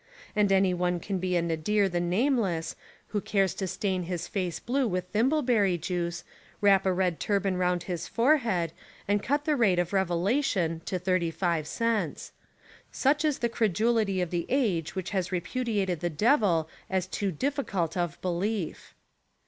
And any one can be a Nadir the Nameless, who cares to stain his face blue with thimbleberry juice, wrap a red turban round his forehead, and cut the rate of revelation to 35 cents. Such is the credulity of the age which has repudiated the Devil as too difficult of belief.